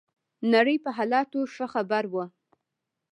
نړۍ په حالاتو ښه خبر وو.